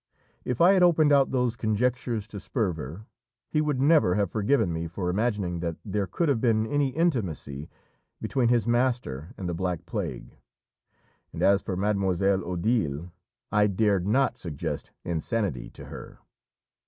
If I had opened out those conjectures to Sperver he would never have forgiven me for imagining that there could have been any intimacy between his master and the Black Plague; and as for Mademoiselle Odile, I dared not suggest insanity to her.